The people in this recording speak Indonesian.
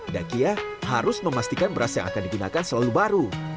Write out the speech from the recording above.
dakia harus memastikan beras yang akan digunakan selalu baru